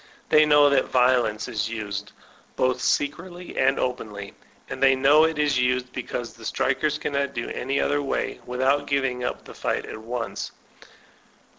They know that violence is used, both secretly and open ly ; and they know it is used because the strikers cannot do any other way, without giving up the fight at once.